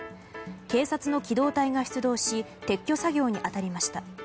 警察の機動隊が出動し撤去作業に当たりました。